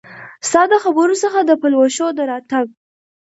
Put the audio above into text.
ستا د خبرو څخه د پلوشو د راتګ